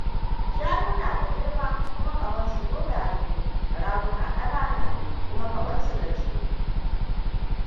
Shanu na da girma kuma kahonsu dogaye ne; raguna ƙanana ne kuma ƙahonsu gajeru.